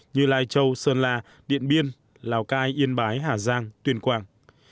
như lai châu sơn la điện biên lào cai yên bái hà giang tuyên quang